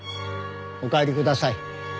お帰りください。